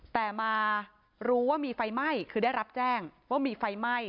แต่มารู้ว่ามีไฟไหม้คือได้รับแจ้งว่ามีไฟไหม้